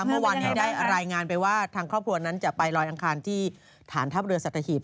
เมื่อวานนี้ได้รายงานไปว่าทางครอบครัวนั้นจะไปลอยอังคารที่ฐานทัพเรือสัตหีบ